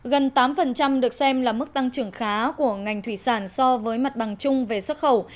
gần tám được xem là mức tăng trưởng khá của ngành thủy sản so với mặt bằng chung về xuất khẩu